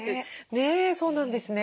ねえそうなんですね。